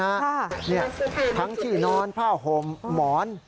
เนี่ยทั้งที่นอนผ้าห่มหมอน